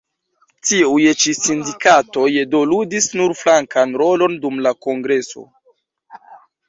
Tiuj ĉi sindikatoj do ludis nur flankan rolon dum la kongreso.